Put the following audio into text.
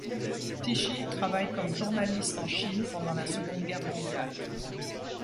Tichy travaille comme journaliste en Chine pendant la Seconde Guerre mondiale.